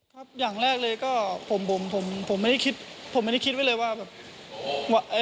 ครับอย่างแรกเลยก็ผมไม่ได้คิดไว้เลยว่า